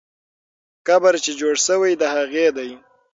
قبر چې جوړ سوی، د هغې دی.